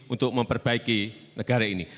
untuk memperbaiki negara ini